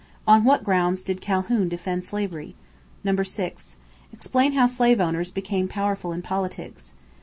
On what grounds did Calhoun defend slavery? 6. Explain how slave owners became powerful in politics.